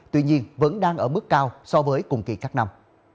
tuy nhiên vẫn đang ở mức cao so với cùng kỳ các năm